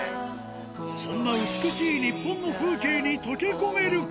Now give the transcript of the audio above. そんな美しい日本の風景に溶け込めるか。